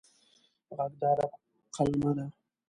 غږ د ادب قلمه ده